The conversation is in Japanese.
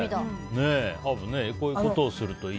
アブねこういうことをするといい。